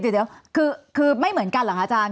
เดี๋ยวคือไม่เหมือนกันเหรอคะอาจารย